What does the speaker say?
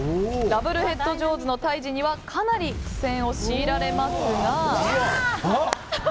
ダブルヘッド・ジョーズの退治にはかなり苦戦を強いられますが。